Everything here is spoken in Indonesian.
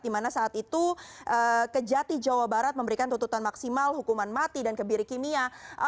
dimana saat itu kejati jawa barat memberikan tuntutan maksimal hukuman mati dan kebirikimia